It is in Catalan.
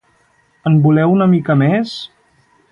En voleu una mica més?